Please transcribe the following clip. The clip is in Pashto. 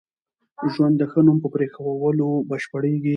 ژوند د ښه نوم په پرېښوولو بشپړېږي.